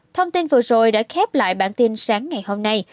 thông tin vừa rồi đã khép lại bản tin sáng ngày hôm nay